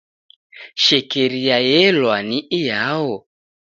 Shekeria yelwa ni iyao?